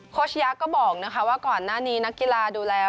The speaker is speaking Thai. โคชยักษ์ก็บอกว่าก่อนหน้านี้นักกีฬาดูแล